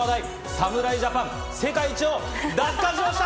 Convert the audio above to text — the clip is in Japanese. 侍ジャパン、世界一を奪還しました！